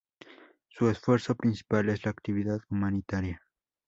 Su esfuerzo principal es la actividad humanitaria.